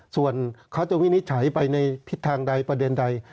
ส่วนเขาจะวินิจฉัยไปในทิศทางใดประเด็นใด